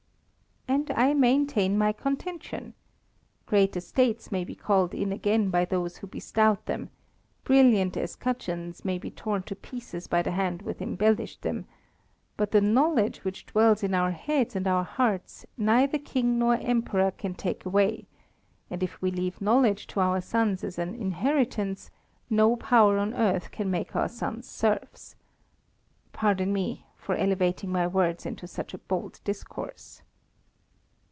"And I maintain my contention. Great estates may be called in again by those who bestowed them; brilliant escutcheons may be torn to pieces by the hand which embellished them; but the knowledge which dwells in our heads and our hearts neither king nor emperor can take away, and if we leave knowledge to our sons as an inheritance, no power on earth can make our sons serfs. Pardon me for elevating my words into such a bold discourse."